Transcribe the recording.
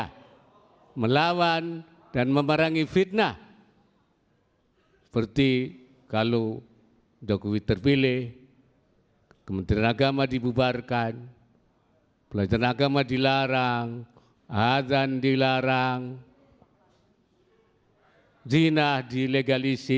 kita harus melawan dan memerangi fitnah seperti kalau jokowi terpilih kementerian agama dibubarkan pelajaran agama dilarang adhan dilarang